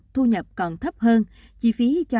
thu nhập còn thấp hơn chỉ phí cho